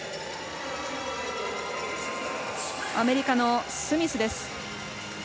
アメリカのスミスです。